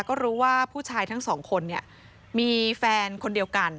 ก็รู้ว่าผู้ชายทั้งสองคนเนี่ยมีแฟนคนเดียวกัน